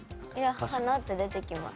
花って出てきます。